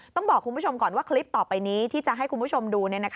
ต้องบอกคุณผู้ชมก่อนว่าคลิปต่อไปนี้ที่จะให้คุณผู้ชมดู